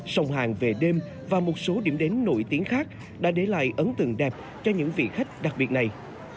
sông hàng về đêm và một số điểm đến nổi tiếng khác đã để lại ấn tượng đẹp cho những vị khách đặc biệt này